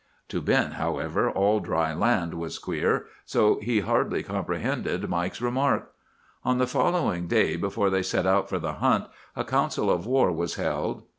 "To Ben, however, all dry land was queer. So he hardly comprehended Mike's remark. "On the following day before they set out for the hunt a council of war was held.